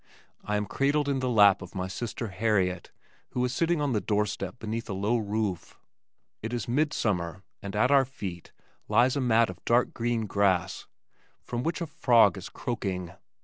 I am cradled in the lap of my sister Harriet who is sitting on the door step beneath a low roof. It is mid summer and at our feet lies a mat of dark green grass from which a frog is croaking.